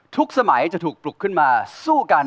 สมัยจะถูกปลุกขึ้นมาสู้กัน